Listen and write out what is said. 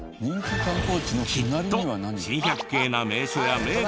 きっと珍百景な名所や名物があるはず。